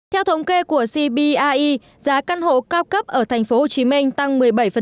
theo thống kê của cbie giá căn hộ cao cấp ở thành phố hồ chí minh tăng một mươi bảy